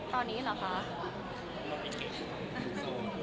ตอนนี้เหรอคะ